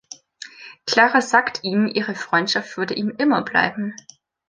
Clara sagt ihm, ihre Freundschaft würde ihm immer bleiben.